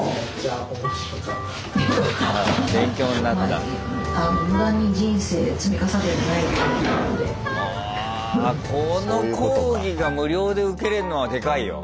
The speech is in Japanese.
あこの講義が無料で受けれるのはでかいよ。